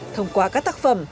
thông qua các tác phẩm